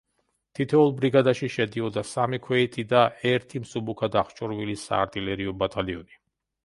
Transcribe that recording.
თითოეულ ბრიგადაში შედიოდა სამი ქვეითი და ერთი მსუბუქად აღჭურვილი საარტილერიო ბატალიონი.